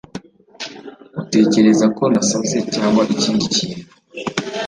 utekereza ko nasaze cyangwa ikindi kintu